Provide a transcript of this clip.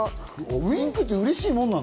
ウインクって嬉しいもんなの？